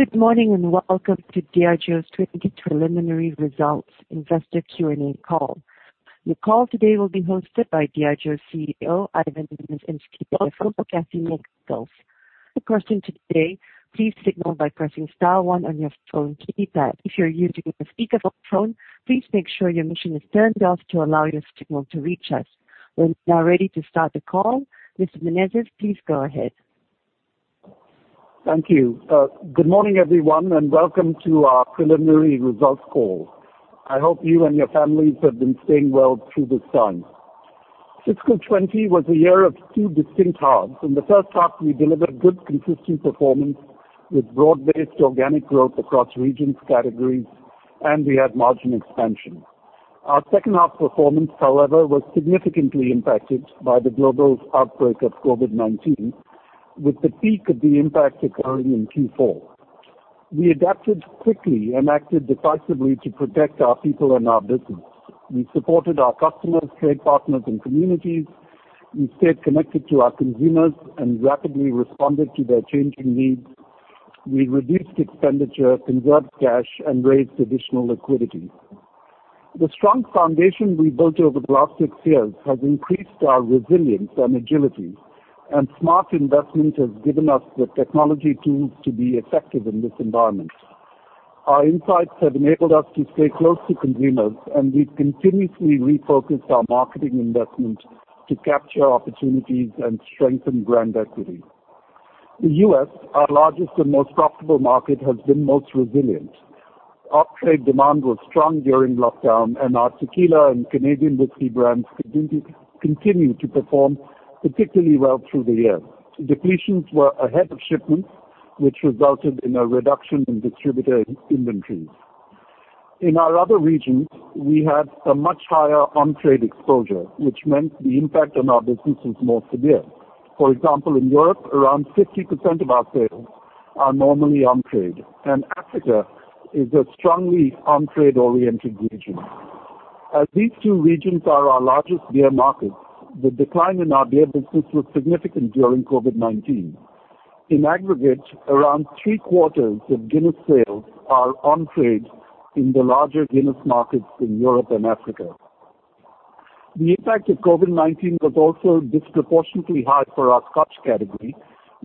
Good morning, and welcome to Diageo's 2020 preliminary results investor Q&A call. The call today will be hosted by Diageo's CEO, Ivan Menezes, and CFO, Kathryn Mikells. To ask a question today, please signal by pressing star one on your phone keypad. If you're using a speakerphone, please make sure your machine is turned off to allow your signal to reach us. We're now ready to start the call. Mr. Menezes, please go ahead. Thank you. Good morning, everyone, and welcome to our preliminary results call. I hope you and your families have been staying well through this time. Fiscal 2020 was a year of two distinct halves. In the first half, we delivered good, consistent performance with broad-based organic growth across regions, categories, and we had margin expansion. Our second-half performance, however, was significantly impacted by the global outbreak of COVID-19, with the peak of the impact occurring in Q4. We adapted quickly and acted decisively to protect our people and our business. We supported our customers, trade partners, and communities. We stayed connected to our consumers and rapidly responded to their changing needs. We reduced expenditure, conserved cash, and raised additional liquidity. The strong foundation we built over the last six years has increased our resilience and agility, and smart investment has given us the technology tools to be effective in this environment. Our insights have enabled us to stay close to consumers, and we've continuously refocused our marketing investment to capture opportunities and strengthen brand equity. The U.S., our largest and most profitable market, has been most resilient. Off-trade demand was strong during lockdown, and our tequila and Canadian whisky brands continued to perform particularly well through the year. Depletions were ahead of shipments, which resulted in a reduction in distributor inventories. In our other regions, we had a much higher on-trade exposure, which meant the impact on our business was more severe. For example, in Europe, around 50% of our sales are normally on-trade, and Africa is a strongly on-trade oriented region. As these two regions are our largest beer markets, the decline in our beer business was significant during COVID-19. In aggregate, around three quarters of Guinness sales are on-trade in the larger Guinness markets in Europe and Africa. The impact of COVID-19 was also disproportionately high for our Scotch category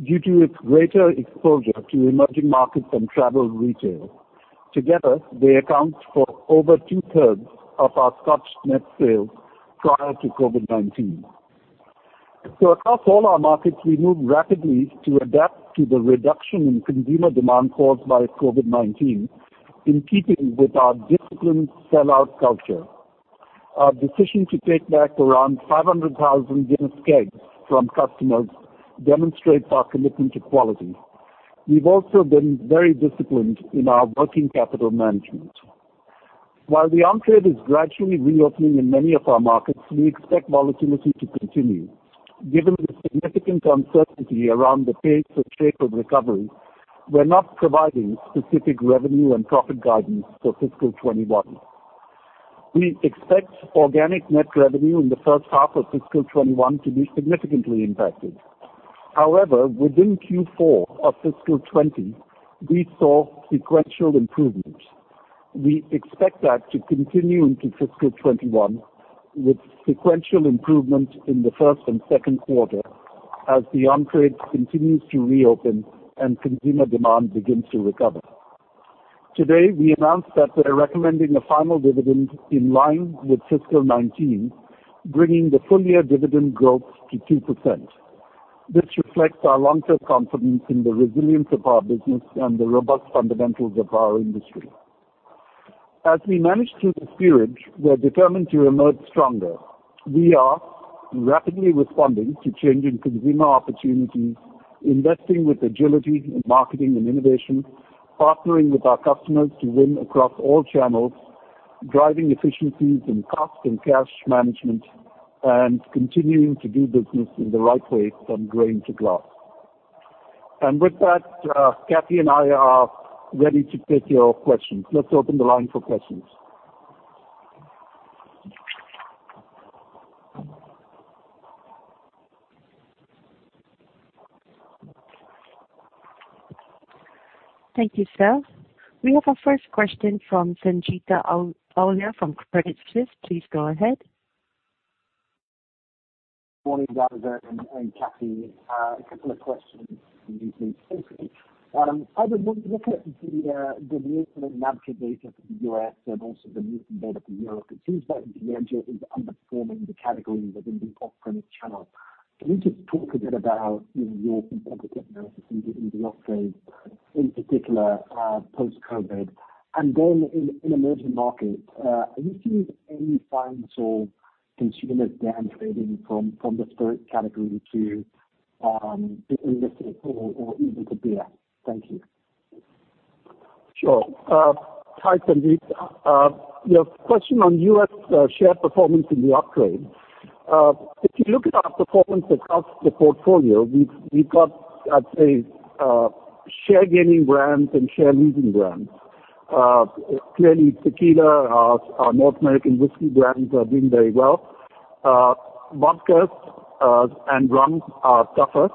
due to its greater exposure to emerging markets and travel retail. Together, they account for over two-thirds of our Scotch net sales prior to COVID-19. Across all our markets, we moved rapidly to adapt to the reduction in consumer demand caused by COVID-19 in keeping with our disciplined sellout culture. Our decision to take back around 500,000 Guinness kegs from customers demonstrates our commitment to quality. We have also been very disciplined in our working capital management. While the on-trade is gradually reopening in many of our markets, we expect volatility to continue. Given the significant uncertainty around the pace or shape of recovery, we're not providing specific revenue and profit guidance for fiscal 2021. We expect organic net revenue in the first half of fiscal 2021 to be significantly impacted. Within Q4 of fiscal 2020, we saw sequential improvement. We expect that to continue into fiscal 2021 with sequential improvement in the first and second quarter as the on-trade continues to reopen and consumer demand begins to recover. Today, we announced that we're recommending a final dividend in line with fiscal 2019, bringing the full-year dividend growth to 2%. This reflects our long-term confidence in the resilience of our business and the robust fundamentals of our industry. As we manage through this period, we're determined to emerge stronger. We are rapidly responding to changing consumer opportunities, investing with agility in marketing and innovation, partnering with our customers to win across all channels, driving efficiencies in cost and cash management, and continuing to do business in the right way from grain to glass. With that, Kathy and I are ready to take your questions. Let's open the line for questions. Thank you, sir. We have our first question from Sanjeet Aujla from Credit Suisse. Please go ahead. Morning, Ivan and Kathy. A couple of questions from me, please. Ivan, when you look at the recent NABCA data for the U.S. and also the Nielsen data for Europe, it seems like Diageo is underperforming the categories within the off-premise channel. Can you just talk a bit about your competitive analysis in the off-trade, in particular, post-COVID? In emerging markets, are you seeing any signs of consumers downgrading from the spirit category to beer or even to beer? Thank you. Sure. Hi, Sanjeet. Your question on U.S. share performance in the off-trade. If you look at our performance across the portfolio, we've got, I'd say, share gaining brands and share losing brands. Tequila, our North American whiskey brands are doing very well. Vodkas and rums are tougher.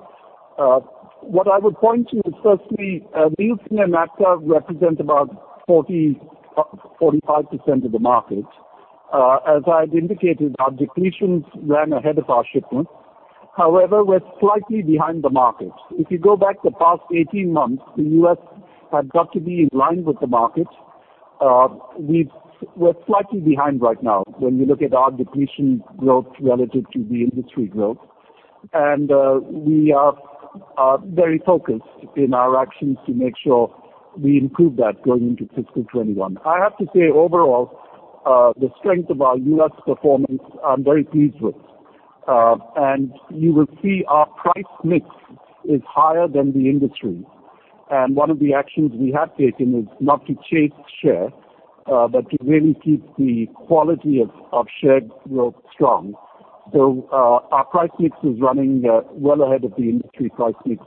What I would point to is firstly, beer, cider, and RTD represent about 45% of the market. As I've indicated, our depletions ran ahead of our shipments. We're slightly behind the market. If you go back the past 18 months, the U.S. has got to be in line with the market. We're slightly behind right now when you look at our depletion growth relative to the industry growth. We are very focused in our actions to make sure we improve that going into FY 2021. I have to say, overall, the strength of our U.S. performance, I'm very pleased with. You will see our price mix is higher than the industry. One of the actions we have taken is not to chase share, but to really keep the quality of share growth strong. Our price mix is running well ahead of the industry price mix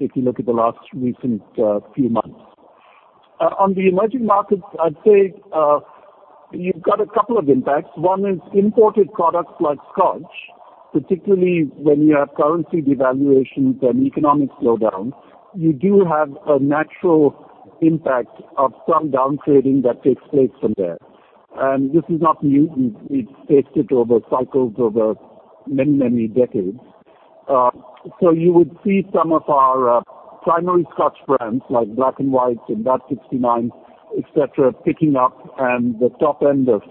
if you look at the last recent few months. On the emerging markets, I'd say, you've got a couple of impacts. One is imported products like Scotch, particularly when you have currency devaluations and economic slowdowns. You do have a natural impact of some down trading that takes place from there. This is not new. It's tested over cycles over many, many decades. You would see some of our primary Scotch brands like Black & White and Vat 69, et cetera, picking up, and the top end of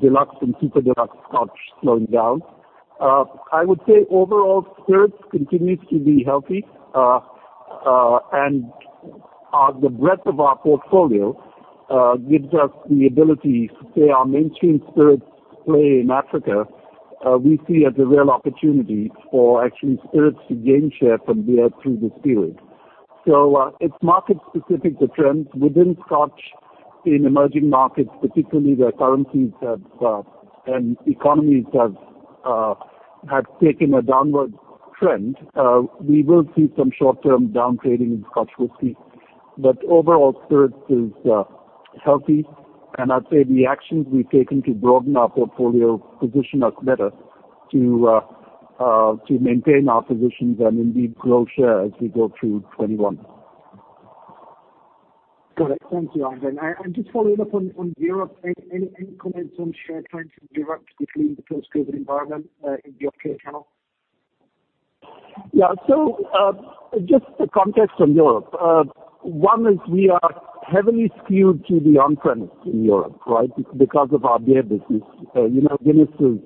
deluxe and super deluxe Scotch slowing down. I would say overall, spirits continues to be healthy. The breadth of our portfolio gives us the ability to say our mainstream spirits play in Africa, we see as a real opportunity for actually spirits to gain share from beer through this period. It's market specific, the trends within Scotch in emerging markets, particularly where currencies have and economies have taken a downward trend. We will see some short-term downtrading in Scotch whisky. Overall, spirits is healthy, and I'd say the actions we've taken to broaden our portfolio position us better to maintain our positions and indeed grow share as we go through 2021. Got it. Thank you, Ivan. Just following up on Europe, any comments on share trends in Europe between the post-COVID-19 environment in the U.K. channel? Yeah. Just the context on Europe. One is we are heavily skewed to the on-premise in Europe, right? Because of our beer business. Guinness is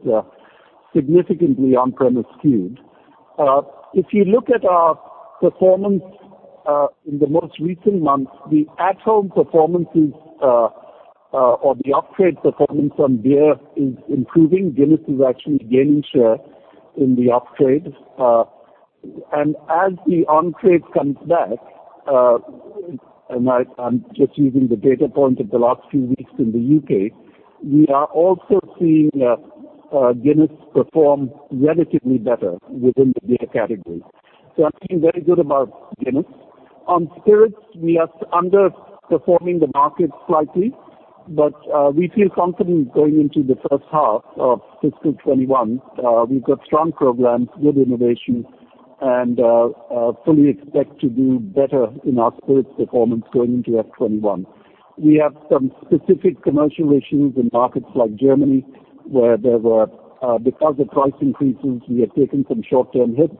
significantly on-premise skewed. If you look at our performance, in the most recent months, the at home performances, or the off-trade performance on beer is improving. Guinness is actually gaining share in the off-trade. As the on-trade comes back, and I'm just using the data point of the last few weeks in the U.K., we are also seeing Guinness perform relatively better within the beer category. I'm feeling very good about Guinness. On spirits, we are underperforming the market slightly, but we feel confident going into the first half of fiscal 2021. We've got strong programs, good innovation, and fully expect to do better in our spirits performance going into F 2021. We have some specific commercial issues in markets like Germany, where there were, because of price increases, we have taken some short-term hits.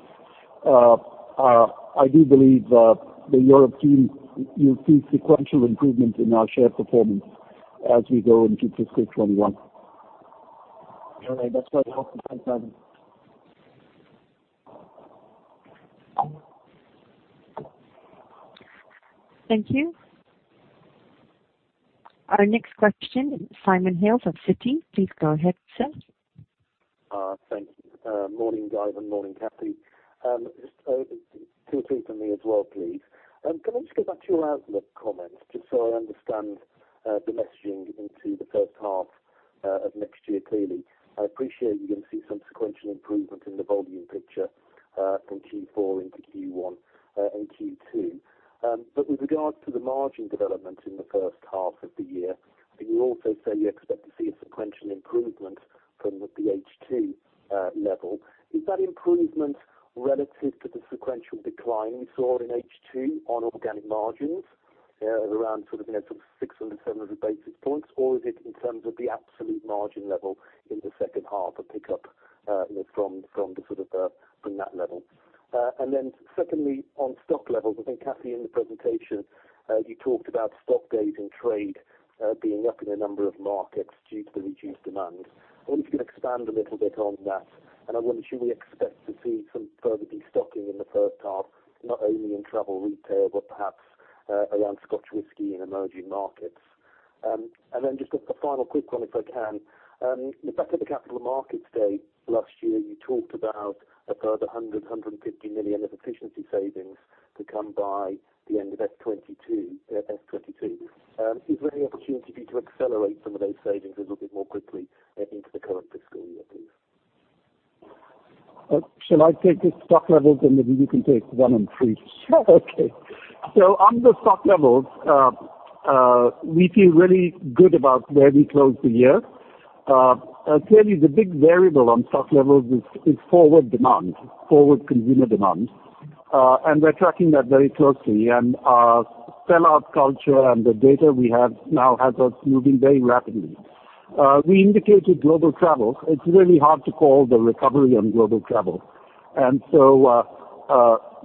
I do believe the Europe team will see sequential improvement in our share performance as we go into fiscal 2021. All right. That's very helpful. Thanks, Ivan. Thank you. Our next question, Simon Hales of Citi. Please go ahead, sir. Thank you. Morning, Ivan. Morning, Kathryn. Just two or three from me as well, please. Can I just go back to your outlook comments, just so I understand the messaging into the first half of next year clearly. I appreciate you're going to see some sequential improvement in the volume picture, from Q4 into Q1, and Q2. With regards to the margin development in the first half of the year, can you also say you expect to see a sequential improvement from the H2 level? Is that improvement relative to the sequential decline we saw in H2 on organic margins? Around sort of 600, 700 basis points, or is it in terms of the absolute margin level in the second half, a pickup from that level? Secondly, on stock levels, I think Kathy, in the presentation, you talked about stock days in trade being up in a number of markets due to the reduced demand. I wonder if you can expand a little bit on that. I wonder, should we expect to see some further destocking in the first half, not only in travel retail, but perhaps around Scotch whisky in emerging markets? Just a final quick one, if I can. In fact, at the Capital Markets Day last year, you talked about a further 100 million-150 million of efficiency savings to come by the end of FY 2022. Is there any opportunity for you to accelerate some of those savings a little bit more quickly into the current fiscal year, please? Shall I take the stock levels and then you can take one and three? Okay. On the stock levels, we feel really good about where we closed the year. Clearly, the big variable on stock levels is forward demand, forward consumer demand. We're tracking that very closely. Our sell-out culture and the data we have now has us moving very rapidly. We indicated global travel. It's really hard to call the recovery on global travel.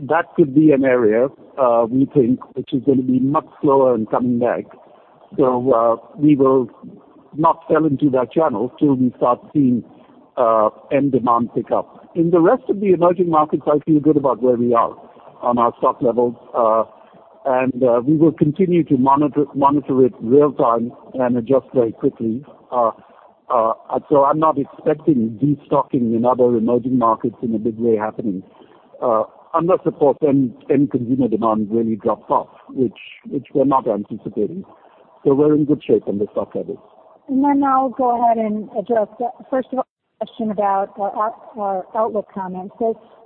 That could be an area, we think, which is going to be much slower in coming back. We will not sell into that channel till we start seeing end demand pick up. In the rest of the emerging markets, I feel good about where we are on our stock levels. We will continue to monitor it real time and adjust very quickly. I'm not expecting de-stocking in other emerging markets in a big way happening, unless, of course, end consumer demand really drops off, which we're not anticipating. We're in good shape on the stock levels. I'll go ahead and address, first of all, the question about our outlook comments.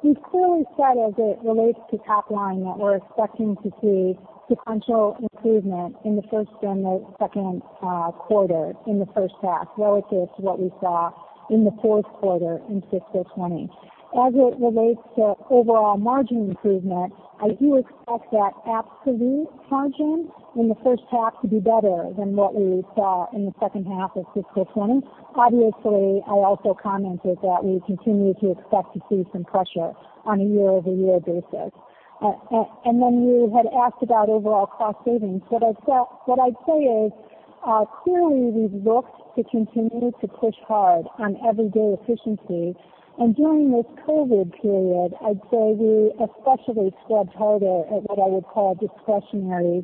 We've clearly said, as it relates to top line, that we're expecting to see sequential improvement in the first and the second quarter in the first half, relative to what we saw in the fourth quarter in 2020. As it relates to overall margin improvement, I do expect that absolute margin in the first half to be better than what we saw in the second half of 2020. Obviously, I also commented that we continue to expect to see some pressure on a year-over-year basis. You had asked about overall cost savings. What I'd say is, clearly, we've looked to continue to push hard on everyday efficiency. During this COVID period, I'd say we especially scrubbed harder at what I would call discretionary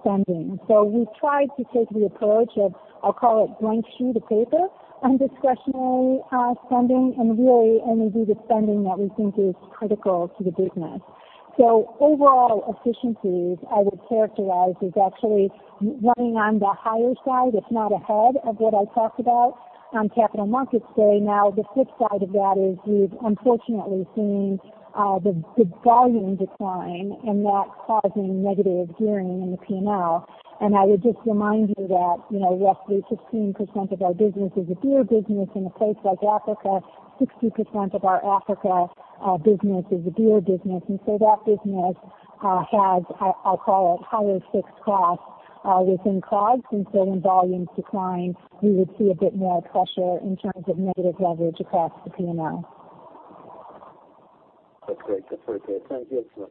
spending. We tried to take the approach of, I'll call it blank sheet of paper on discretionary spending, and really only do the spending that we think is critical to the business. Overall efficiencies, I would characterize, is actually running on the higher side, if not ahead of what I talked about on Capital Markets Day. The flip side of that is we've unfortunately seen the volume decline and that causing negative gearing in the P&L. I would just remind you that roughly 16% of our business is the beer business. In a place like Africa, 60% of our Africa business is the beer business. That business has, I'll call it, higher fixed costs within COGS. When volumes decline, you would see a bit more pressure in terms of negative leverage across the P&L. That's great. That's very clear. Thank you very much.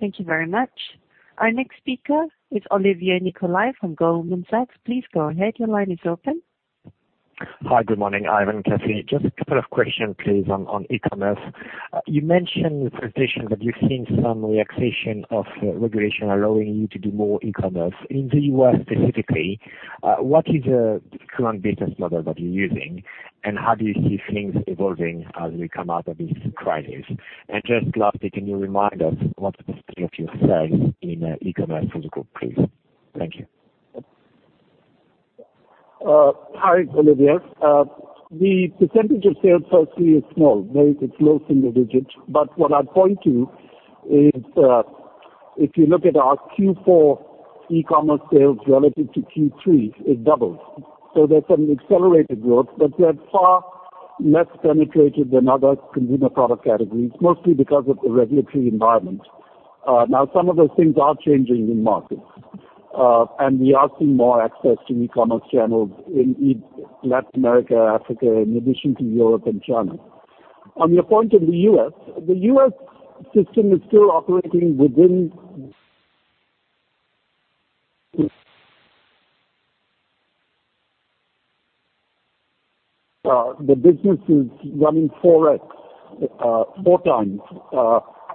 Thank you very much. Our next speaker is Olivier Nicolai from Goldman Sachs. Please go ahead. Your line is open. Hi, good morning, Ivan, Kathy. Just a couple of questions, please, on e-commerce. You mentioned in the presentation that you've seen some relaxation of regulation allowing you to do more e-commerce in the U.S. specifically. What is the current business model that you're using, and how do you see things evolving as we come out of this crisis? Just lastly, can you remind us what is the state of your sales in e-commerce for the group, please? Thank you. Hi, Olivier. The percentage of sales firstly is small. It's low single digits. What I'd point to is, if you look at our Q4 e-commerce sales relative to Q3, it doubles. There's some accelerated growth, but they're far less penetrated than other consumer product categories, mostly because of the regulatory environment. Some of those things are changing in markets. We are seeing more access to e-commerce channels in Latin America, Africa, in addition to Europe and China. On your point of the U.S., the U.S. system is still operating within The business is running 4x, four times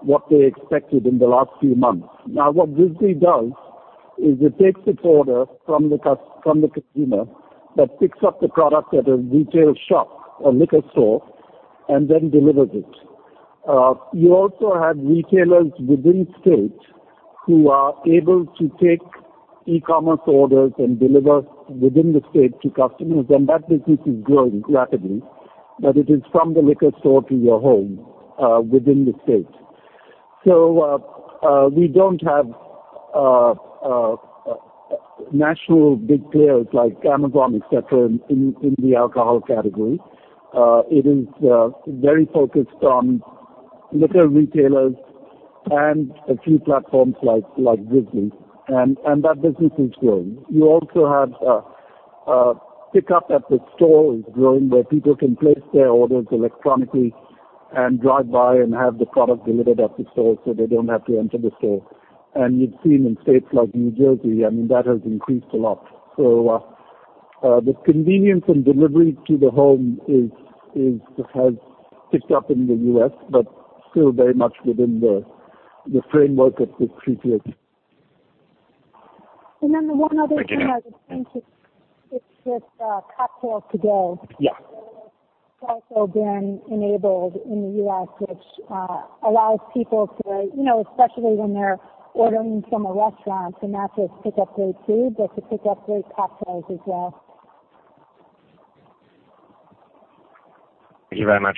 what they expected in the last few months. What Drizly does is it takes its order from the consumer, but picks up the product at a retail shop or liquor store and then delivers it. You also have retailers within state who are able to take e-commerce orders and deliver within the state to customers, and that business is growing rapidly. It is from the liquor store to your home, within the state. We don't have national big players like Amazon, et cetera, in the alcohol category. It is very focused on liquor retailers and a few platforms like Drizly, and that business is growing. You also have pick up at the store is growing, where people can place their orders electronically and drive by and have the product delivered at the store so they don't have to enter the store. You've seen in states like New Jersey, that has increased a lot. The convenience and delivery to the home has picked up in the U.S., but still very much within the framework of the three tiers. The one other thing I would mention is with cocktails to go. Has also been enabled in the U.S., which allows people to, especially when they're ordering from a restaurant, to not just pick up their food, but to pick up their cocktails as well. Thank you very much.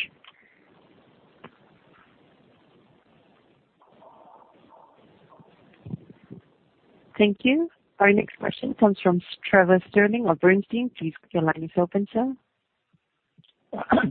Thank you. Our next question comes from Trevor Stirling of Bernstein. Please, your line is open, sir.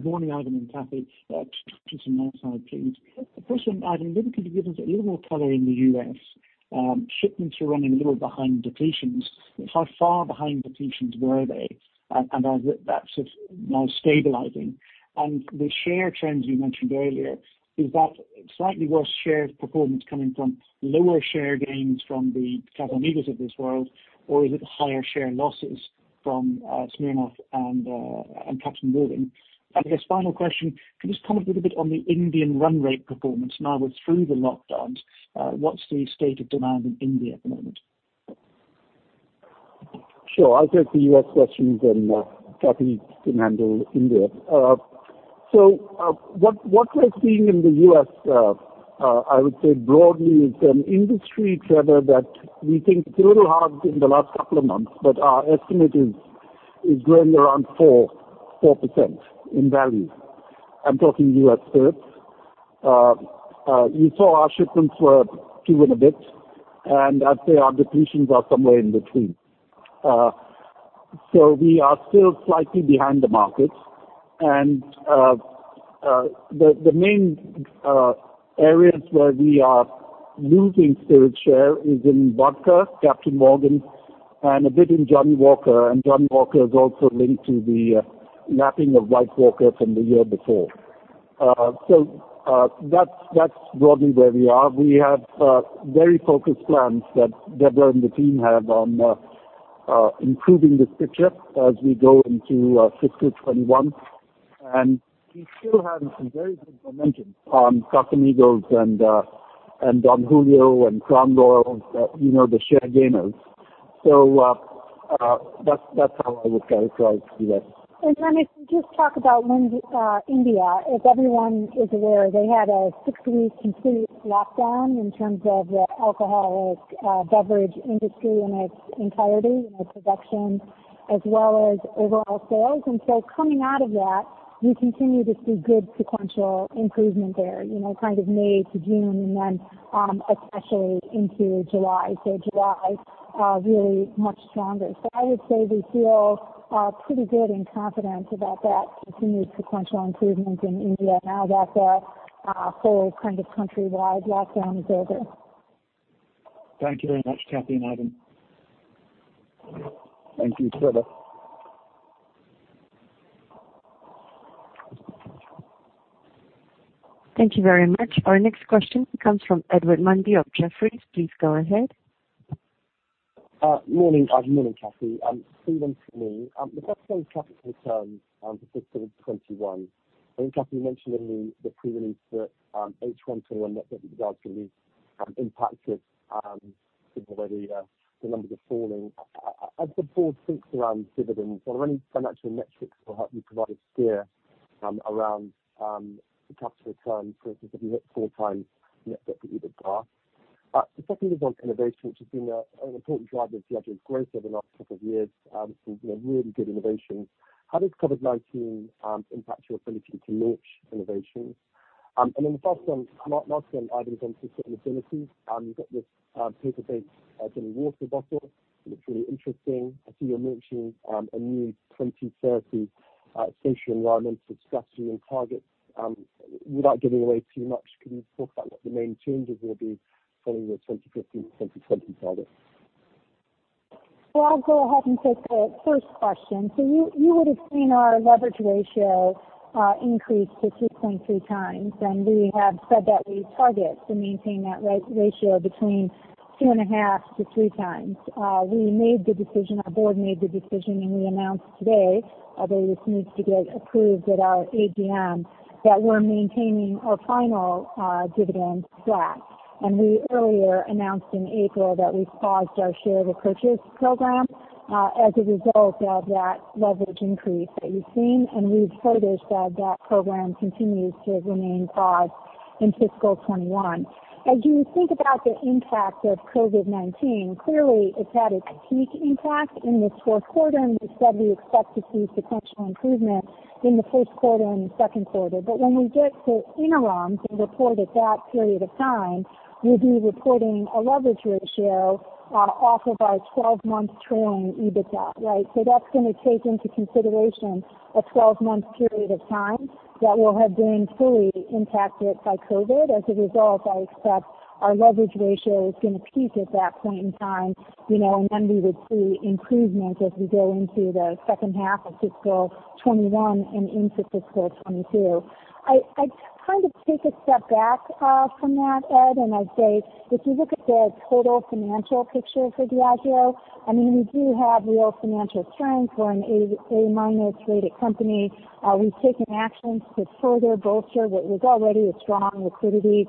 Morning, Ivan and Kathy. Just two from my side, please. The first one, Ivan, maybe can you give us a little more color in the U.S.? Shipments are running a little behind depletions. How far behind depletions were they? Are that sort of now stabilizing? The share trends you mentioned earlier, is that slightly worse share performance coming from lower share gains from the Casamigos of this world, or is it higher share losses from Smirnoff and Captain Morgan? I guess final question, can you just comment a little bit on the Indian run rate performance now we're through the lockdowns. What's the state of demand in India at the moment? Sure. I'll take the U.S. questions, then Kathy can handle India. What we're seeing in the U.S., I would say broadly it's an industry, Trevor, that we think it's a little hard in the last couple of months, but our estimate is growing around 4% in value. I'm talking U.S. spirits. You saw our shipments were two and a bit, and I'd say our depletions are somewhere in between. We are still slightly behind the market and the main areas where we are losing spirit share is in vodka, Captain Morgan, and a bit in Johnnie Walker, and Johnnie Walker is also linked to the lapping of White Walker from the year before. That's broadly where we are. We have very focused plans that Debra and the team have on improving this picture as we go into fiscal 2021. We still have some very good momentum on Casamigos and Don Julio and Crown Royal, you know the share gainers. That's how I would characterize the U.S. If we just talk about India. As everyone is aware, they had a six-week complete lockdown in terms of the alcoholic beverage industry in its entirety, production as well as overall sales. Coming out of that, we continue to see good sequential improvement there, kind of May to June and then especially into July. July, really much stronger. I would say we feel pretty good and confident about that continued sequential improvement in India now that the whole kind of countrywide lockdown is over. Thank you very much, Kathy and Ivan. Thank you, Trevor. Thank you very much. Our next question comes from Edward Mundy of Jefferies. Please go ahead. Morning, Ivan. Morning, Kathy. Two then from me. The first one, capital returns for fiscal 2021. I think, Kathy, you mentioned in the pre-release that H1 net debt to EBITDA is impacted, since already the numbers are falling. As the board thinks around dividends, are there any financial metrics that will help you provide steer around the capital return? For instance, have you hit four times net debt to EBITDA? The second is on innovation, which has been an important driver of Diageo's growth over the last couple of years. Some really good innovations. How does COVID-19 impact your ability to launch innovations? The last one, Ivan, is on sustainability. You've got this paper-based Johnnie Walker bottle, which is really interesting. I see you're mentioning a new 2030 social environmental strategy and targets. Without giving away too much, can you talk about what the main changes will be following the 2015, 2020 targets? I'll go ahead and take the first question. You would've seen our leverage ratio increase to 3.3x, and we have said that we target to maintain that ratio between 2.5-3x. We made the decision, our board made the decision, and we announced today, although this needs to get approved at our AGM, that we're maintaining our final dividend flat. We earlier announced in April that we've paused our share repurchase program, as a result of that leverage increase that you've seen, and we've said is that program continues to remain paused in fiscal 2021. As you think about the impact of COVID-19, clearly it's had a peak impact in this fourth quarter, and we said we expect to see sequential improvement in the first quarter and the second quarter. When we get to interim to report at that period of time, we'll be reporting a leverage ratio off of our 12-month trailing EBITDA, right? That's going to take into consideration a 12-month period of time that will have been fully impacted by COVID-19. As a result, I expect our leverage ratio is going to peak at that point in time, and then we would see improvement as we go into the second half of fiscal 2021 and into fiscal 2022. I kind of take a step back from that, Ed, and I'd say if you look at the total financial picture for Diageo, I mean, we do have real financial strength. We're an A-minus rated company. We've taken actions to further bolster what was already a strong liquidity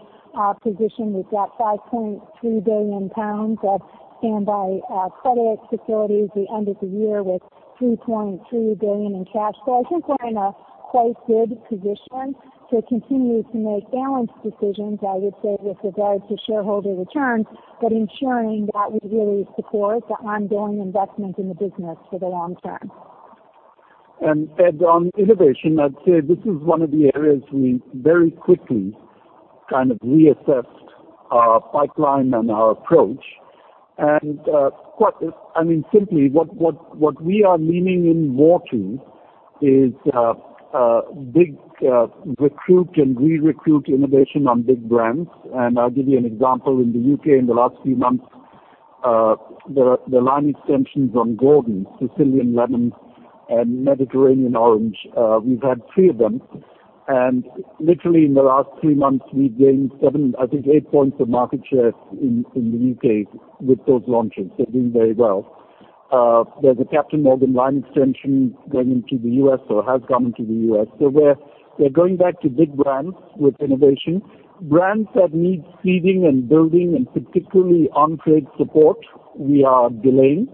position. We've got 5.3 billion pounds of standby credit facilities. We ended the year with 3.2 billion in cash. I think we're in a quite good position to continue to make balanced decisions, I would say, with regard to shareholder returns, but ensuring that we really support the ongoing investment in the business for the long-term. Ed, on innovation, I'd say this is one of the areas we very quickly kind of reassessed our pipeline and our approach. Quite simply, what we are leaning in more to is big recruit and re-recruit innovation on big brands. I'll give you an example. In the U.K. in the last few months, the line extensions on Gordon's, Sicilian Lemon, and Mediterranean Orange, we've had three of them. Literally in the last three months, we've gained seven, I think, eight points of market share in the U.K. with those launches. They're doing very well. There's a Captain Morgan line extension going into the U.S. or has come into the U.S. We're going back to big brands with innovation. Brands that need seeding and building, and particularly on-trade support, we are delaying,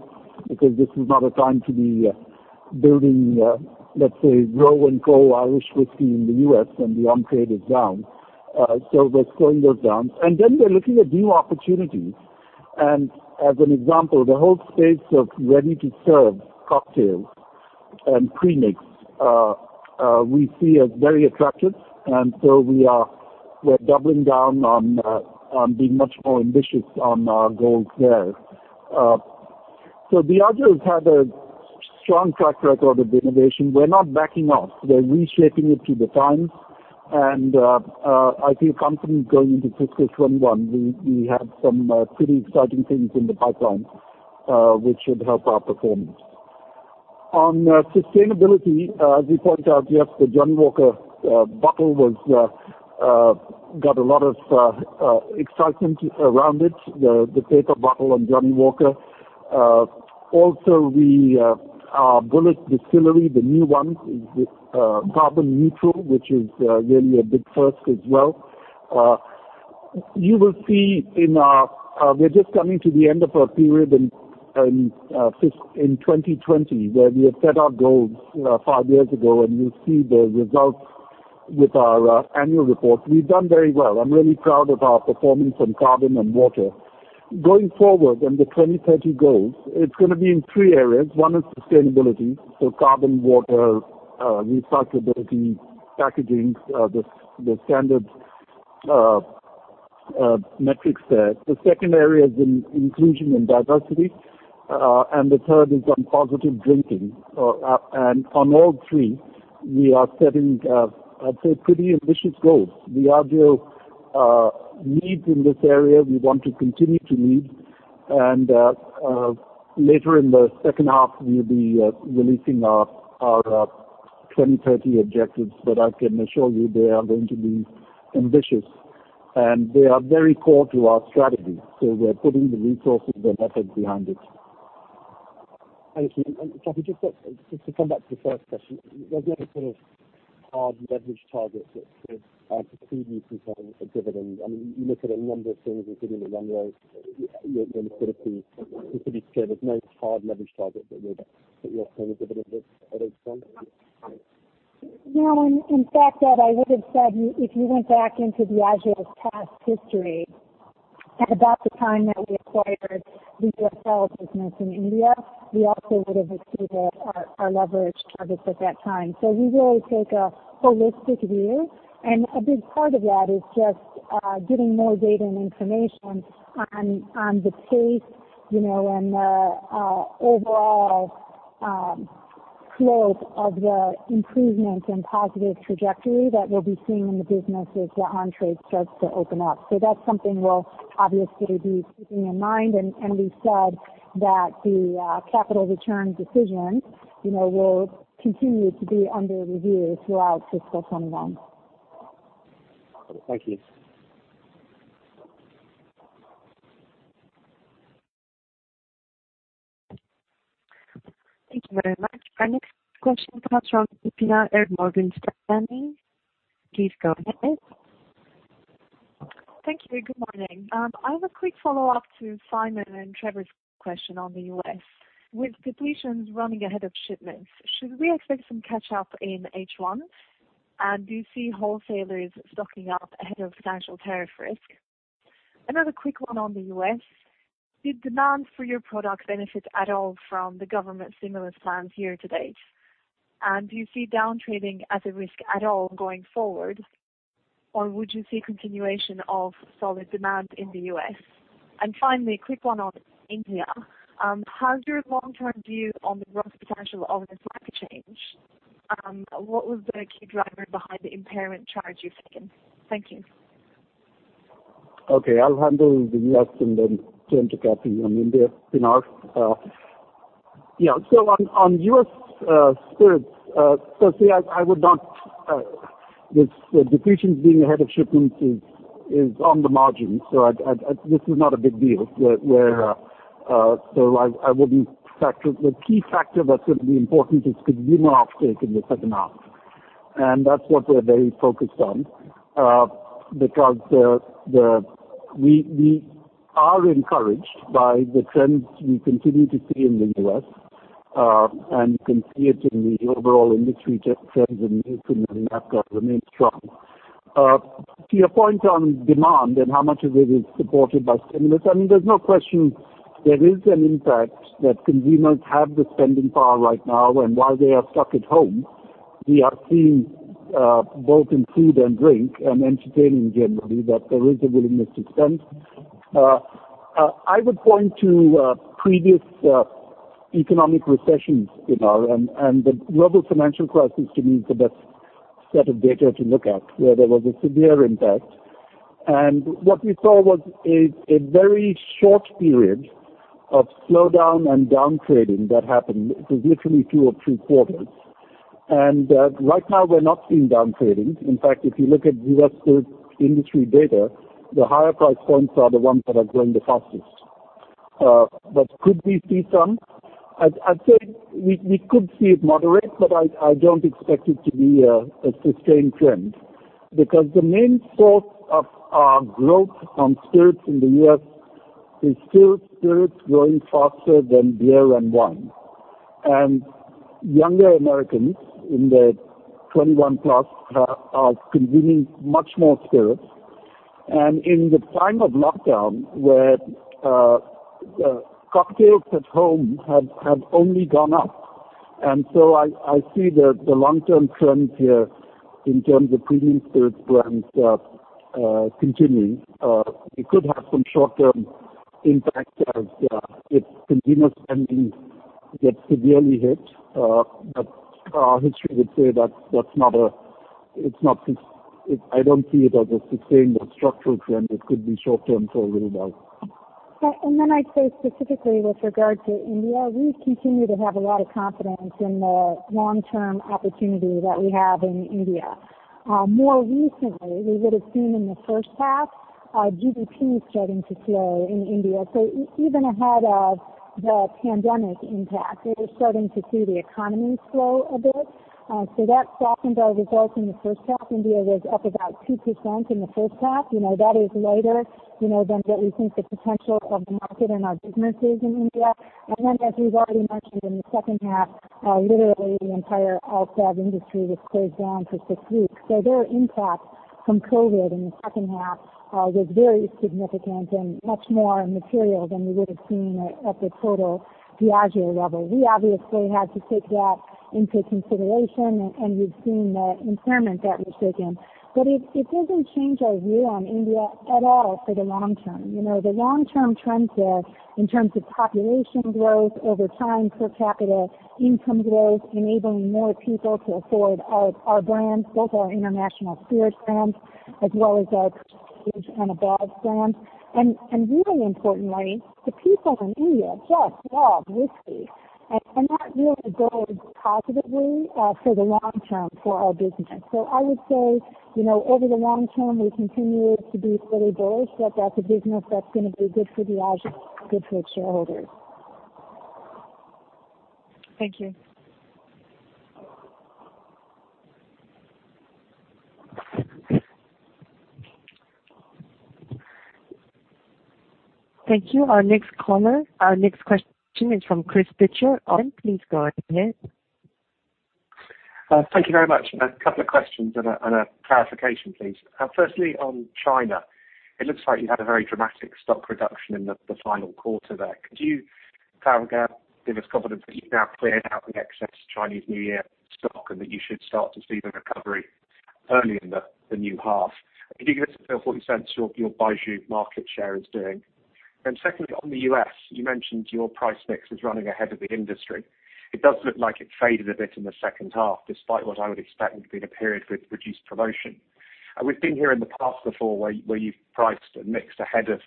because this is not a time to be building, let's say, Roe & Co Irish whiskey in the U.S. when the on-trade is down. We're slowing those down. We're looking at new opportunities. As an example, the whole space of ready-to-serve cocktails and premix, we see as very attractive. We're doubling down on being much more ambitious on our goals there. Diageo has had a strong track record of innovation. We're not backing off. We're reshaping it to the times. I feel confident going into fiscal 2021, we have some pretty exciting things in the pipeline, which should help our performance. On sustainability, as you point out, yes, the Johnnie Walker bottle got a lot of excitement around it, the paper bottle on Johnnie Walker. Also, our Bulleit distillery, the new one, is carbon neutral, which is really a big first as well. You will see, we're just coming to the end of a period in 2020 where we had set our goals five years ago, and you'll see the results with our annual report. We've done very well. I'm really proud of our performance on carbon and water. Going forward, on the 2030 goals, it's going to be in three areas. One is sustainability. Carbon, water, recyclability, packaging, the standard metrics there. The second area is in inclusion and diversity. The third is on positive drinking. On all three, we are setting, I'd say, pretty ambitious goals. Diageo leads in this area. We want to continue to lead. Later in the second half, we'll be releasing our 2030 objectives. I can assure you they are going to be ambitious. They are very core to our strategy. We're putting the resources and effort behind it. Thank you. Kathy, just to come back to the first question, there's no sort of hard leverage targets that could supersede you from paying a dividend. You look at a number of things, including the run rate, your liquidity. You could be clear there's no hard leverage target that you're paying a dividend at this time? No. In fact, Ed, I would've said, if you went back into Diageo's past history, at about the time that we acquired the U.S. sales business in India, we also would have exceeded our leverage targets at that time. We really take a holistic view, and a big part of that is just getting more data and information on the pace, and the overall slope of the improvement and positive trajectory that we'll be seeing in the business as the on-trade starts to open up. That's something we'll obviously be keeping in mind, and we've said that the capital return decision will continue to be under review throughout fiscal 2021. Thank you. Thank you very much. Our next question comes from Pinar Erdogur from Standard Bank. Please go ahead. Thank you. Good morning. I have a quick follow-up to Simon and Trevor's question on the U.S. With depletions running ahead of shipments, should we expect some catch up in H1? Do you see wholesalers stocking up ahead of potential tariff risk? Another quick one on the U.S. Did demand for your product benefit at all from the government stimulus plans year to date? Do you see down trading as a risk at all going forward, or would you see continuation of solid demand in the U.S.? Finally, a quick one on India. Has your long-term view on the growth potential of this market changed? What was the key driver behind the impairment charge you've taken? Thank you. Okay. I'll handle the U.S. and then turn to Kathy on India, Pinar. On U.S. spirits, depletions being ahead of shipments is on the margin. This is not a big deal. The key factor that's going to be important is consumer off-take in the second half, and that's what we're very focused on. We are encouraged by the trends we continue to see in the U.S., and you can see it in the overall industry trends in the U.S., and they remain strong. To your point on demand and how much of it is supported by stimulus, I mean, there's no question there is an impact that consumers have the spending power right now, and while they are stuck at home, we are seeing, both in food and drink and entertaining generally, that there is a willingness to spend. I would point to previous economic recessions, and the global financial crisis, to me, is the best set of data to look at, where there was a severe impact. What we saw was a very short period of slowdown and downtrading that happened. It was literally two or three quarters. Right now, we're not seeing downtrading. In fact, if you look at U.S. spirits industry data, the higher price points are the ones that are growing the fastest. Could we see some? I'd say we could see it moderate, but I don't expect it to be a sustained trend, because the main source of our growth from spirits in the U.S. is still spirits growing faster than beer and wine. Younger Americans in the 21+ are consuming much more spirits, and in the time of lockdown, where cocktails at home have only gone up. I see the long-term trends here in terms of premium spirits brands continuing. We could have some short-term impact as if consumer spending gets severely hit. Our history would say I don't see it as a sustained or structural trend. It could be short-term for a little while. I'd say specifically with regard to India, we continue to have a lot of confidence in the long-term opportunity that we have in India. More recently, we would have seen in the first half, GDP starting to slow in India. Even ahead of the pandemic impact, we were starting to see the economy slow a bit. That softened our results in the first half. India was up about 2% in the first half. That is lighter than what we think the potential of the market and our business is in India. As we've already mentioned, in the second half, literally the entire alcohol industry was closed down for six weeks. Their impact from COVID in the second half was very significant and much more material than we would have seen at the total Diageo level. We obviously had to take that into consideration, and we've seen the impairment that was taken. It doesn't change our view on India at all for the long-term. The long-term trends there, in terms of population growth over time, per capita income growth, enabling more people to afford our brands, both our international spirit brands as well as our and above brands. Really importantly, the people in India just love whiskey. That really bodes positively for the long-term for our business. I would say, over the long term, we continue to be really bullish that that's a business that's going to be good for Diageo, good for its shareholders. Thank you. Thank you. Our next question is from Chris Pitcher. Please go ahead. Thank you very much. A couple of questions and a clarification, please. Firstly, on China, it looks like you had a very dramatic stock reduction in the final quarter there. Could you give us confidence that you've now cleared out the excess Chinese New Year stock and that you should start to see the recovery early in the new half? Could you give us a feel for what you sense your Baijiu market share is doing? Secondly, on the U.S., you mentioned your price mix is running ahead of the industry. It does look like it faded a bit in the second half, despite what I would expect would have been a period with reduced promotion. We've been here in the past before where you've priced and mixed ahead of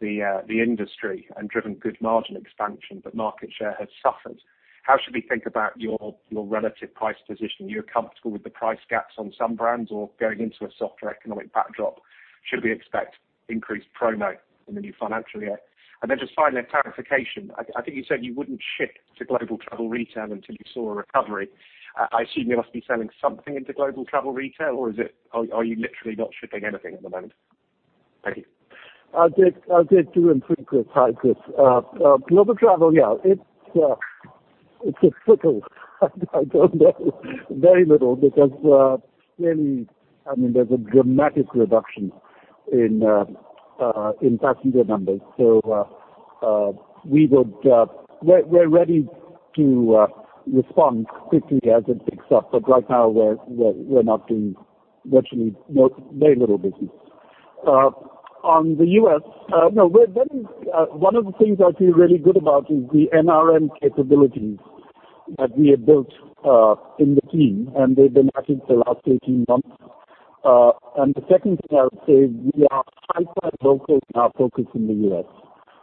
the industry and driven good margin expansion, but market share has suffered. How should we think about your relative price position? You're comfortable with the price gaps on some brands or going into a softer economic backdrop? Should we expect increased promo in the new financial year? Then just finally, a clarification. I think you said you wouldn't ship to global travel retail until you saw a recovery. I assume you must be selling something into global travel retail, or are you literally not shipping anything at the moment? Thank you. I did do a pretty good type of Global travel, yeah, it's a trickle. I don't know. Very little, because clearly, I mean, there's a dramatic reduction in passenger numbers. We're ready to respond quickly as it picks up, but right now, we're not doing virtually very little business. On the U.S., one of the things I feel really good about is the NRM capabilities that we have built in the team. They've been at it for the last 18 months. The second thing I would say is we are hyper-local in our focus in the U.S.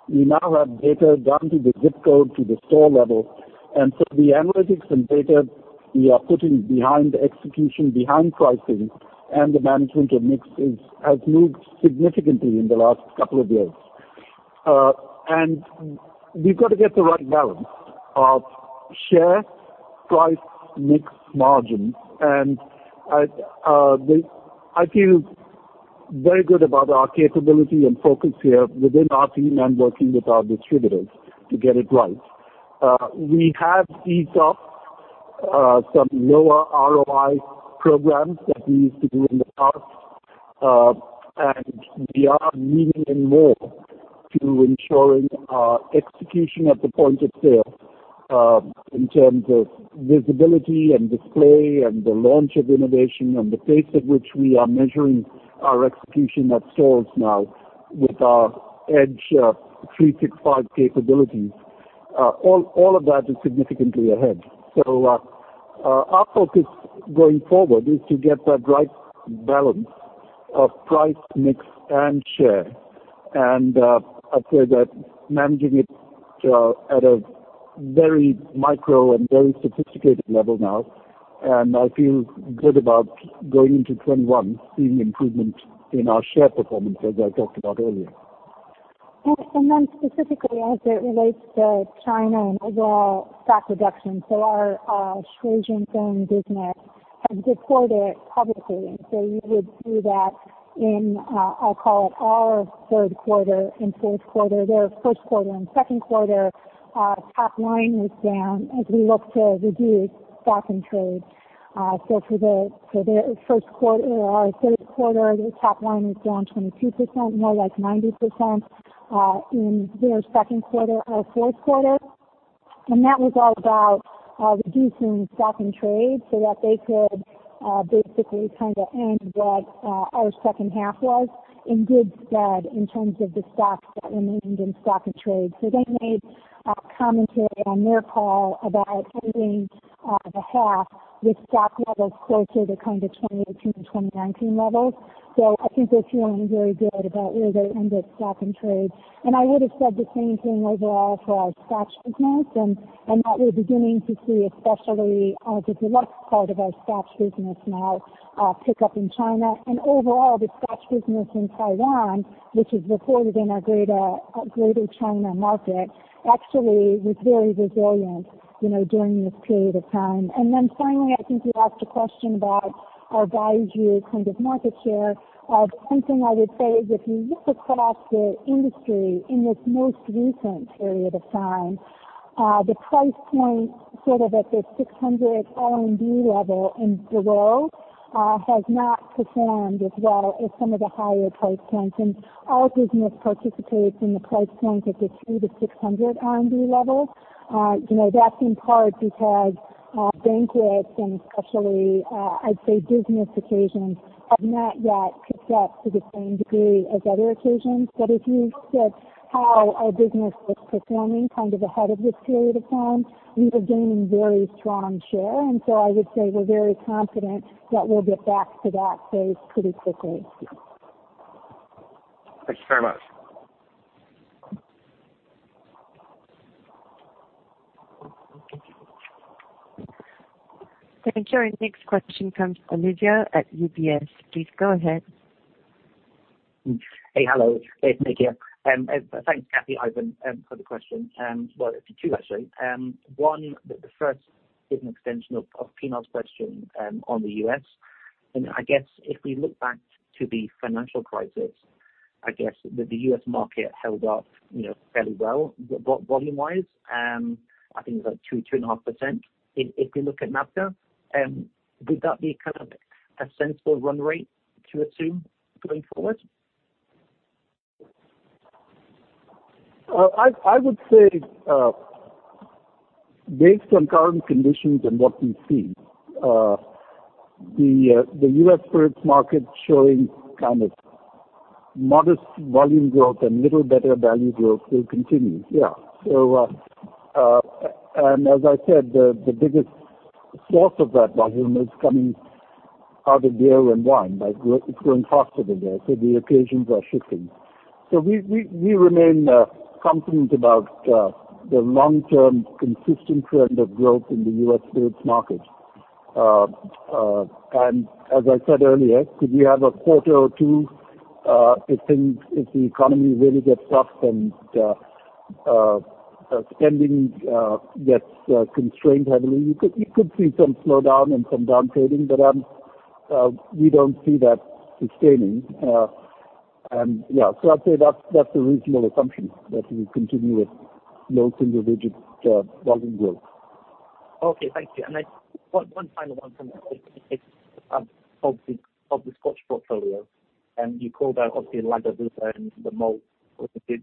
We now have data down to the zip code, to the store level. The analytics and data we are putting behind execution, behind pricing, and the management of mix has moved significantly in the last couple of years. We've got to get the right balance of share, price, mix, margin. I feel very good about our capability and focus here within our team and working with our distributors to get it right. We have eased off some lower ROI programs that we used to do in the past, and we are leaning in more to ensuring our execution at the point of sale in terms of visibility and display and the launch of innovation and the pace at which we are measuring our execution at stores now with our EDGE 365 capabilities. All of that is significantly ahead. Our focus going forward is to get that right balance of price, mix, and share. I'd say that managing it at a very micro and very sophisticated level now, and I feel good about going into 2021, seeing improvement in our share performance, as I talked about earlier. Specifically as it relates to China and overall stock reduction. Our Shui Jing Fang business has reported publicly, and you would see that in, I'll call it our third quarter and fourth quarter, their first quarter and second quarter, top line was down as we look to reduce stock and trade. For our third quarter, their top line was down 22%, more like 90% in their second quarter, our fourth quarter. That was all about reducing stock and trade so that they could basically end what our second half was in good stead in terms of the stocks that remained in stock and trade. They made a commentary on their call about ending the half with stock levels closer to 2018 and 2019 levels. I think they're feeling very good about where they ended stock and trade. I would have said the same thing overall for our Scotch business, that we're beginning to see, especially the deluxe part of our Scotch business now pick up in China. Overall, the Scotch business in Taiwan, which is reported in our Greater China market, actually was very resilient during this period of time. Finally, I think you asked a question about our value-tier kind of market share. The one thing I would say is if you look across the industry in this most recent period of time, the price point sort of at the 600 level and below has not performed as well as some of the higher price points. Our business participates in the price point at the 300-600 RMB level. That's in part because banquets and especially, I'd say business occasions have not yet picked up to the same degree as other occasions. If you looked at how our business was performing ahead of this period of time, we were gaining very strong share. I would say we're very confident that we'll get back to that base pretty quickly. Thank you very much. Thank you. Our next question comes from Olivier at UBS. Please go ahead. Hey. Hello. It's Nik here. Thanks, Kathryn, Ivan, for the questions. Well, it'd be two, actually. One, the first is an extension of Pinar's question on the U.S. I guess if we look back to the financial crisis, I guess that the U.S. market held up fairly well volume wise. I think it was like 2%, 2.5% if we look at NABCA. Would that be kind of a sensible run rate to assume going forward? I would say based on current conditions and what we've seen, the U.S. spirits market showing kind of modest volume growth and little better value growth will continue. As I said, the biggest source of that volume is coming out of beer and wine. It's growing faster than that. The occasions are shifting. We remain confident about the long-term consistent trend of growth in the U.S. spirits market. As I said earlier, could we have a quarter or two if the economy really gets tough and spending gets constrained heavily? You could see some slowdown and some downtrading, but we don't see that sustaining. I'd say that's a reasonable assumption that we continue with low single-digit volume growth. Okay, thank you. One final one from me. It's of the Scotch portfolio. You called out obviously Lagavulin, the malt,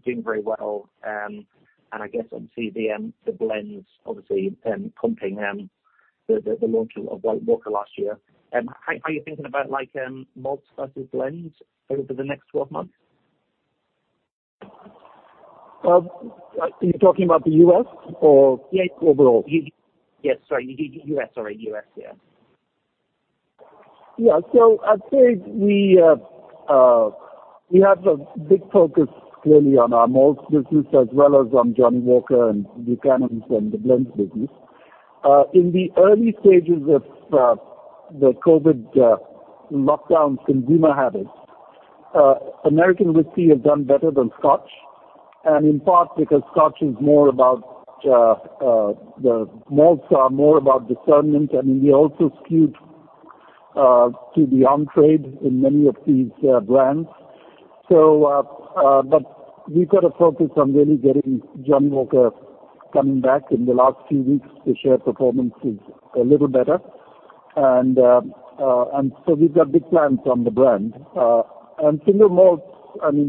doing very well, and I guess on CBM, the blends obviously pumping the launch of White Walker last year. How are you thinking about malt versus blends over the next 12 months? Are you talking about the U.S. or overall? Yes. Sorry. U.S. All right. U.S. Yeah. Yeah. I'd say we have a big focus clearly on our malts business as well as on Johnnie Walker and Buchanan's and the blends business. In the early stages of the COVID lockdowns consumer habits, American whiskey have done better than Scotch. In part because Scotch is more about the malts, are more about discernment, and we also skewed to the on-trade in many of these brands. We've got to focus on really getting Johnnie Walker coming back. In the last few weeks, the share performance is a little better. We've got big plans on the brand. Single malts,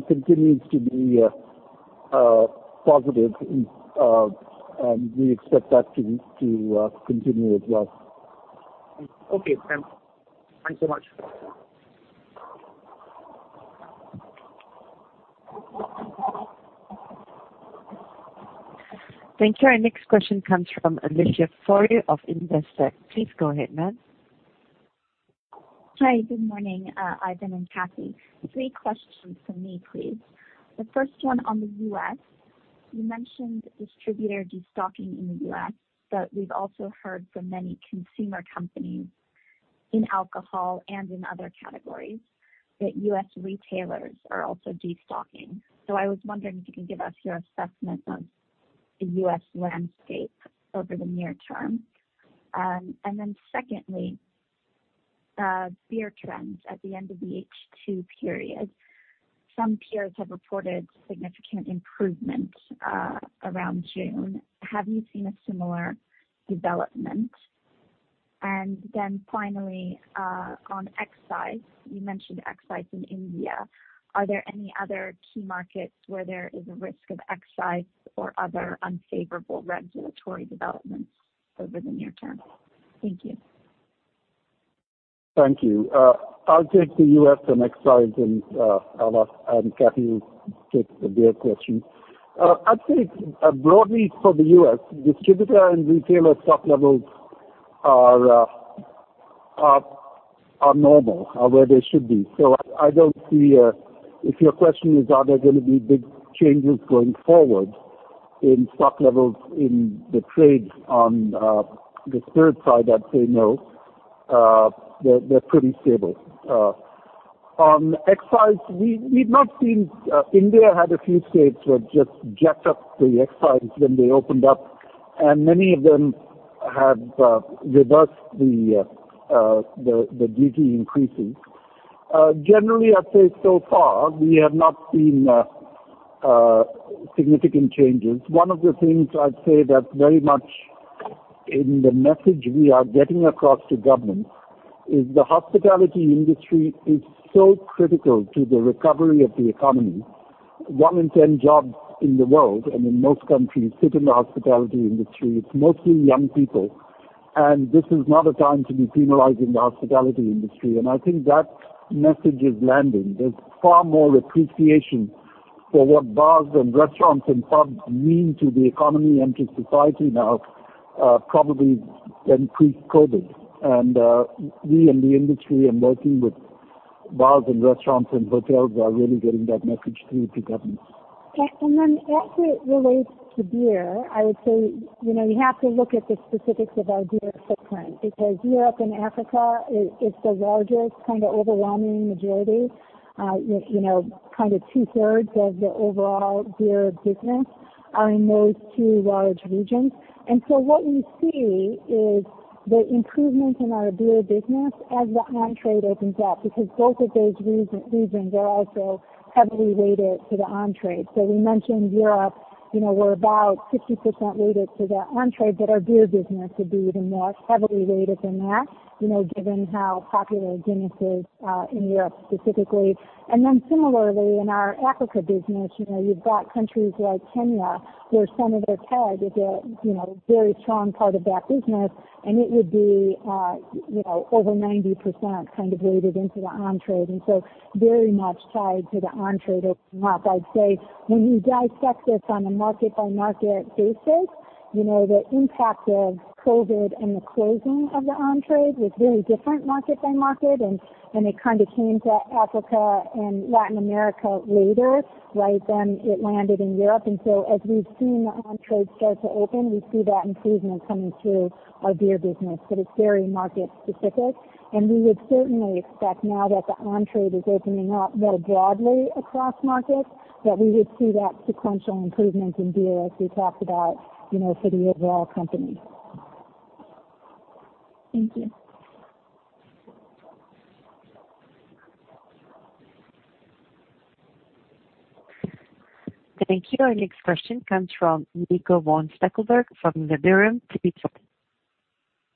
continues to be positive, and we expect that to continue as well. Okay. Thanks so much. Thank you. Our next question comes from Alicia Forry of Investec. Please go ahead, ma'am. Hi, good morning, Ivan and Kathy. Three questions from me, please. The first one on the U.S. You mentioned distributor de-stocking in the U.S., but we've also heard from many consumer companies in alcohol and in other categories that U.S. retailers are also de-stocking. I was wondering if you could give us your assessment of the U.S. landscape over the near term. Secondly, beer trends at the end of the H2 period. Some peers have reported significant improvement around June. Have you seen a similar development? Finally, on excise. You mentioned excise in India. Are there any other key markets where there is a risk of excise or other unfavorable regulatory developments over the near term? Thank you. Thank you. I'll take the U.S. and excise. Kathy will take the beer question. I'd say, broadly for the U.S., distributor and retailer stock levels are normal, are where they should be. I don't see, if your question is, are there going to be big changes going forward in stock levels in the trades on the spirit side? I'd say no. They're pretty stable. On excise, we've not seen India had a few states where it just jacked up the excise when they opened up. Many of them have reversed the duty increases. Generally, I'd say so far, we have not seen significant changes. One of the things I'd say that very much in the message we are getting across to governments is the hospitality industry is so critical to the recovery of the economy. One in 10 jobs in the world and in most countries sit in the hospitality industry. It's mostly young people. This is not a time to be penalizing the hospitality industry. I think that message is landing. There's far more appreciation for what bars and restaurants and pubs mean to the economy and to society now, probably than pre-COVID. We in the industry and working with bars and restaurants and hotels are really getting that message through to governments. As it relates to beer, I would say, you have to look at the specifics of our beer footprint, because Europe and Africa is the largest, kind of overwhelming majority. Two-thirds of the overall beer business are in those two large regions. What we see is the improvement in our beer business as the on-trade opens up, because both of those regions are also heavily weighted to the on-trade. We mentioned Europe. We're about 60% weighted to the on-trade, but our beer business would be even more heavily weighted than that, given how popular Guinness is in Europe specifically. Similarly in our Africa business, you've got countries like Kenya where some of their trade is a very strong part of that business, and it would be over 90% kind of weighted into the on-trade. Very much tied to the on-trade opening up. I'd say when you dissect this on a market by market basis, the impact of COVID-19 and the closing of the on-trade was very different market by market, and it kind of came to Africa and Latin America later, right? It landed in Europe. As we've seen the on-trade start to open, we see that improvement coming through our beer business. It's very market specific, and we would certainly expect now that the on-trade is opening up more broadly across markets, that we would see that sequential improvement in beer as we talked about, for the overall company. Thank you. Thank you. Our next question comes from Nicolas von Stackelberg from Liberum. Please go ahead.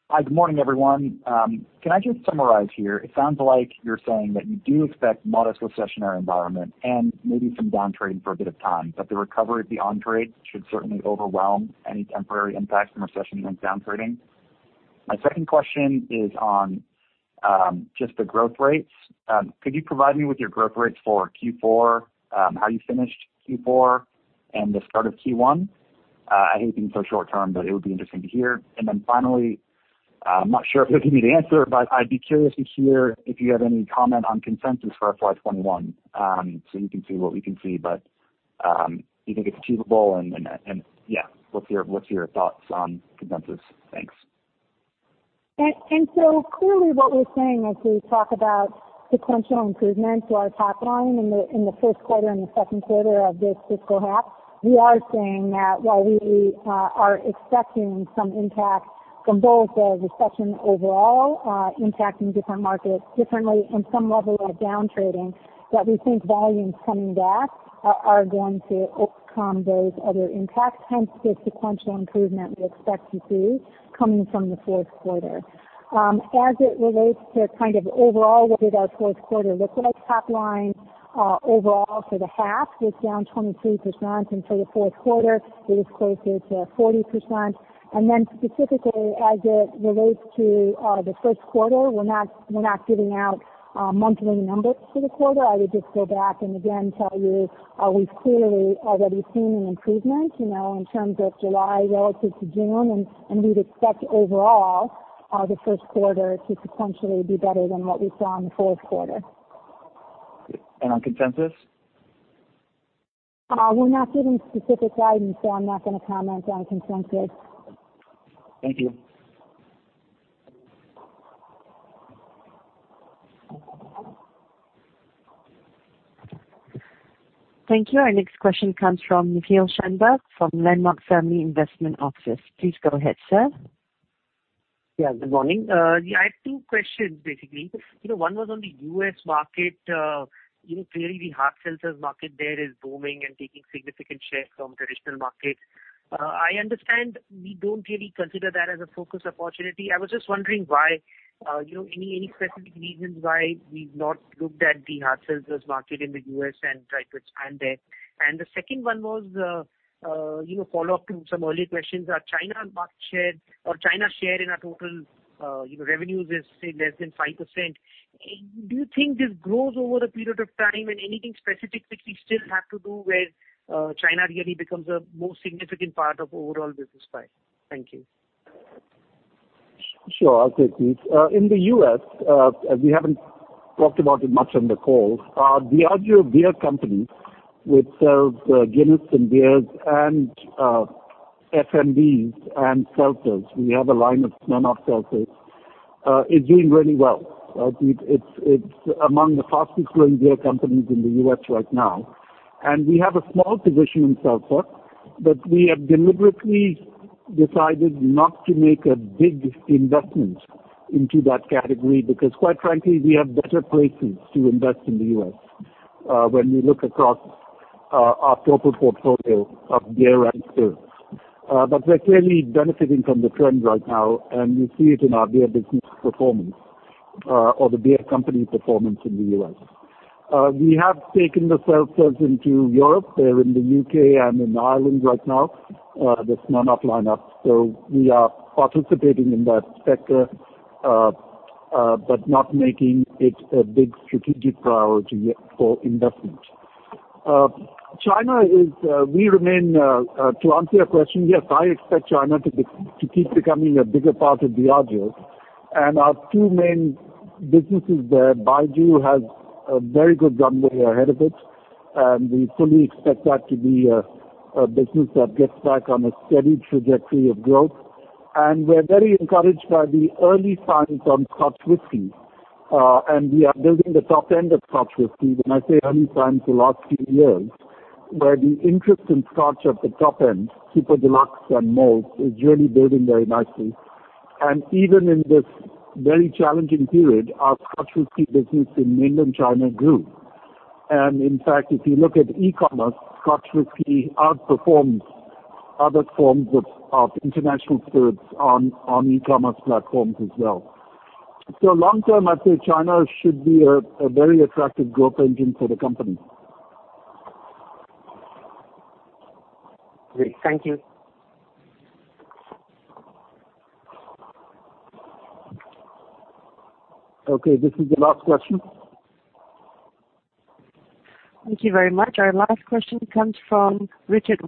Hi, good morning, everyone. Can I just summarize here? It sounds like you're saying that you do expect modest recessionary environment and maybe some down-trading for a bit of time, but the recovery of the on-trade should certainly overwhelm any temporary impact from recession and down-trading. My second question is on just the growth rates. Could you provide me with your growth rates for Q4, how you finished Q4 and the start of Q1? I hate being so short-term, but it would be interesting to hear. Finally, I'm not sure if you'll give me the answer, but I'd be curious to hear if you have any comment on consensus for FY 2021. You can see what we can see, but do you think it's achievable and, yeah, what's your thoughts on consensus? Thanks. Clearly what we're saying as we talk about sequential improvement to our top line in the first quarter and the second quarter of this fiscal half, we are saying that while we are expecting some impact from both a recession overall, impacting different markets differently and some level of downtrading, that we think volumes coming back are going to overcome those other impacts, hence the sequential improvement we expect to see coming from the fourth quarter. As it relates to kind of overall, what did our fourth quarter look like? Top line, overall for the half was down 23%, and for the fourth quarter it was closer to 40%. Then specifically as it relates to the first quarter, we're not giving out monthly numbers for the quarter. I would just go back and again tell you, we've clearly already seen an improvement in terms of July relative to June, and we'd expect overall, the first quarter to sequentially be better than what we saw in the fourth quarter. On consensus? We're not giving specific guidance, so I'm not going to comment on consensus. Thank you. Thank you. Our next question comes from Nikhil Shendurnikar from Landmark Family Office. Please go ahead, sir. Yeah, good morning. Yeah, I have two questions, basically. One was on the U.S. market. Clearly the hard seltzers market there is booming and taking significant share from traditional markets. I understand we don't really consider that as a focus opportunity. I was just wondering why. Any specific reasons why we've not looked at the hard seltzers market in the U.S. and try to expand there? The second one was, follow-up to some earlier questions. Our China share in our total revenues is, say, less than 5%. Do you think this grows over a period of time, and anything specific which we still have to do where China really becomes a more significant part of overall business pie? Thank you. Sure. I'll take these. In the U.S., as we haven't talked about it much on the call, Diageo Beer Company, which sells Guinness and beers, and FMBs and seltzers, we have a line of Smirnoff seltzers, is doing really well. It's among the fastest growing beer companies in the U.S. right now. We have a small position in seltzer, but we have deliberately decided not to make a big investment into that category because quite frankly, we have better places to invest in the U.S. when we look across our total portfolio of beer and spirits. We're clearly benefiting from the trend right now, and you see it in our beer business performance, or the beer company performance in the U.S. We have taken the seltzers into Europe. They're in the U.K. and in Ireland right now, the Smirnoff lineup. We are participating in that sector, but not making it a big strategic priority yet for investment. China, to answer your question, yes, I expect China to keep becoming a bigger part of Diageo. Our two main businesses there, Baijiu, has a very good runway ahead of it, and we fully expect that to be a business that gets back on a steady trajectory of growth. We are very encouraged by the early signs on Scotch whisky, and we are building the top end of Scotch whisky. When I say early signs, the last few years, where the interest in Scotch at the top end, super deluxe and malt, is really building very nicely. Even in this very challenging period, our Scotch whisky business in mainland China grew. In fact, if you look at e-commerce, Scotch Whisky outperforms other forms of international spirits on e-commerce platforms as well. Long term, I'd say China should be a very attractive growth engine for the company. Great. Thank you. Okay. This is the last question. Thank you very much. Our last question comes from Richard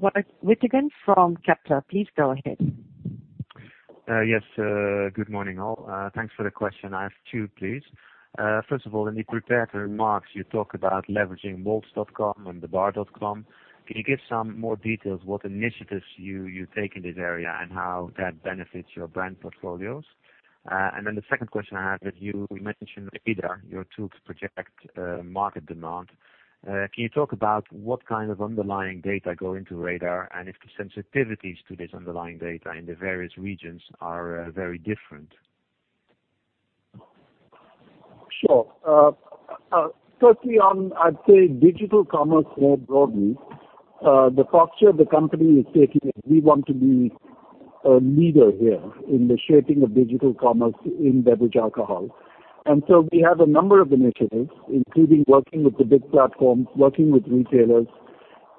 Withagen from Kepler. Please go ahead. Yes. Good morning, all. Thanks for the question. I have two, please. First of all, in the prepared remarks, you talk about leveraging malts.com and thebar.com. Can you give some more details what initiatives you take in this area, and how that benefits your brand portfolios? The second question I have is, you mentioned RADAR, your tool to project market demand. Can you talk about what kind of underlying data go into RADAR, and if the sensitivities to this underlying data in the various regions are very different? Sure. Firstly on, I'd say, digital commerce more broadly, the posture the company is taking is we want to be a leader here in the shaping of digital commerce in beverage alcohol. We have a number of initiatives, including working with the big platforms, working with retailers,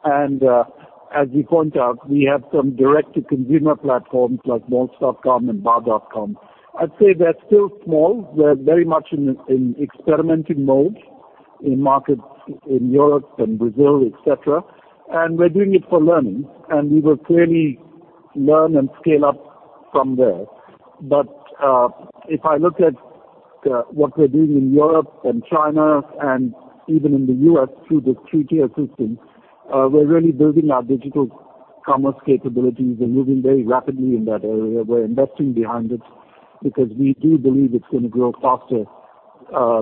and as we point out, we have some direct-to-consumer platforms like malts.com and thebar.com. I'd say they're still small. We're very much in experimenting mode in markets in Europe and Brazil, et cetera. We're doing it for learning, and we will clearly learn and scale up from there. If I look at what we're doing in Europe and China, and even in the U.S. through this three-tier system, we're really building our digital commerce capabilities. We're moving very rapidly in that area. We're investing behind it because we do believe it's going to grow faster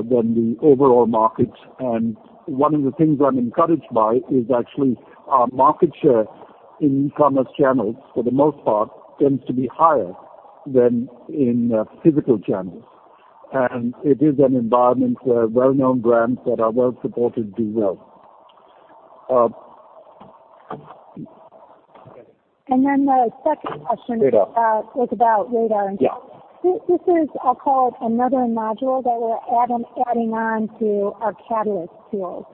than the overall market. One of the things I'm encouraged by is actually our market share in e-commerce channels, for the most part, tends to be higher than in physical channels. It is an environment where well-known brands that are well supported do well. The second question. RADAR. was about RADAR. This is, I'll call it another module that we're adding on to our Catalyst tool.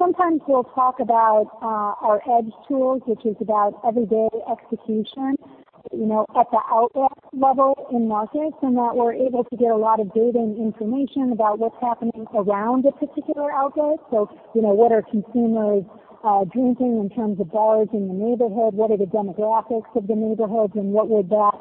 Sometimes we'll talk about our EDGE tool, which is about everyday execution, at the outlet level in markets, and that we're able to get a lot of data and information about what's happening around a particular outlet. What are consumers drinking in terms of bars in the neighborhood? What are the demographics of the neighborhoods, and what would that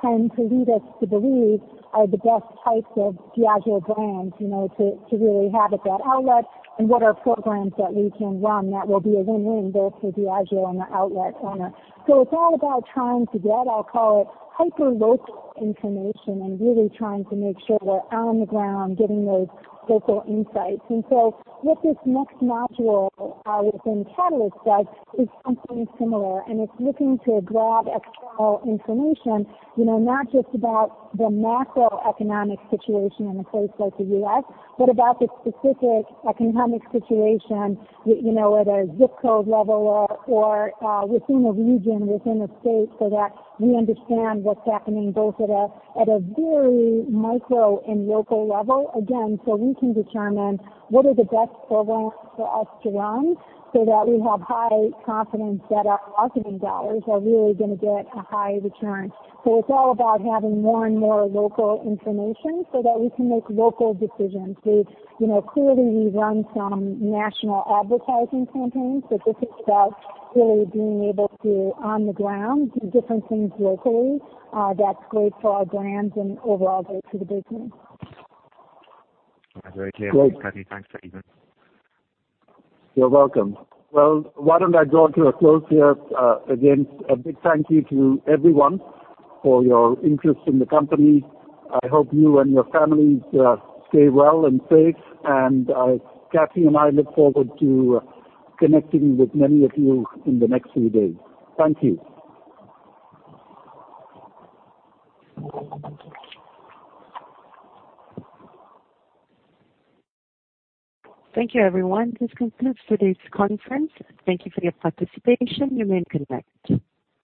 trend to lead us to believe are the best types of Diageo brands to really have at that outlet, and what are programs that we can run that will be a win-win both for Diageo and the outlet owner? It's all about trying to get, I'll call it, hyper-local information and really trying to make sure we're on the ground getting those local insights. What this next module within Catalyst does is something similar, and it's looking to grab external information, not just about the macroeconomic situation in a place like the U.S., but about the specific economic situation at a ZIP code level or within a region, within a state, so that we understand what's happening both at a very micro and local level, again, so we can determine what are the best programs for us to run so that we have high confidence that our marketing dollars are really going to get a high return. It's all about having more and more local information so that we can make local decisions. Clearly, we run some national advertising campaigns, but this is about really being able to, on the ground, do different things locally. That's great for our brands and overall great for the business. Very clear, Kathy. Thanks for that. You're welcome. Well, why don't I draw to a close here? Again, a big thank you to everyone for your interest in the company. I hope you and your families stay well and safe. Kathy and I look forward to connecting with many of you in the next few days. Thank you. Thank you, everyone. This concludes today's conference. Thank you for your participation. You may disconnect.